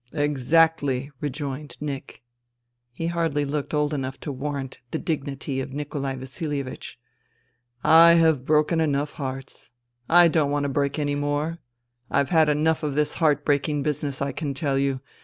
" Exactly," rejoined Nick. (He hardly looked old enough to warrant the dignity of " Nikolai Vasilievich.") '' I have broken enough hearts. I don't want to break any more. I've had enough of this heart breaking business, I can tell you.